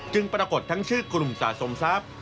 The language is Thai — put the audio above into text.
ปรากฏทั้งชื่อกลุ่มสะสมทรัพย์